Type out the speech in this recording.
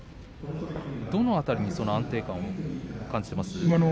どの辺りにその安定感を感じていますか？